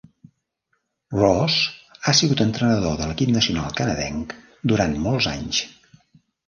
Ross ha sigut l'entrenador de l'equip nacional canadenc durant molts anys.